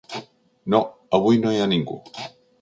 No, avui no hi ha ningú.